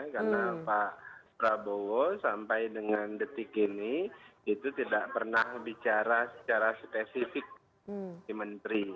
karena pak prabowo sampai dengan detik ini itu tidak pernah bicara secara spesifik di menteri